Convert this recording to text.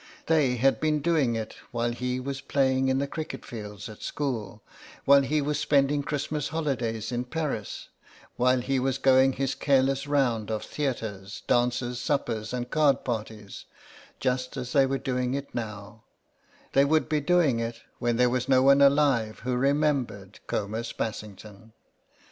They had been doing it while he was playing in the cricket fields at school, while he was spending Christmas holidays in Paris, while he was going his careless round of theatres, dances, suppers and card parties, just as they were doing it now; they would be doing it when there was no one alive who remembered Comus Bassington.